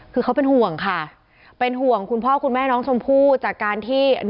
คือเขาเป็นห่วงค่ะเป็นห่วงคุณพ่อคุณแม่น้องชมพู่จากการที่